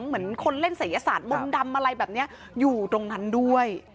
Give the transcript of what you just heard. เหมือนคนเล่นศัยศาสตร์มนต์ดำอะไรแบบนี้อยู่ตรงนั้นด้วย